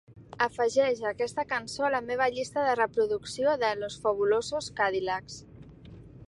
Afegeix aquesta cançó a la meva llista de reproducció de Los Fabulosos Cadillacs